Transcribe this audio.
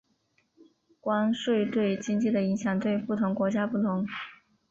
关税对经济的影响对不同国家不同。